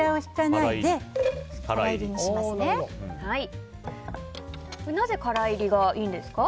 なぜ乾いりがいいんですか？